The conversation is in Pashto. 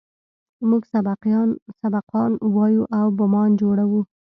موږ سبقان وايو او بمان جوړوو.